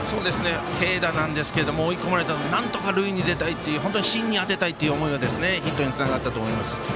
軽打なんですけれども追い込まれてなんとか塁に出たいっていう芯に当てたいっていう思いがヒットにつながったと思います。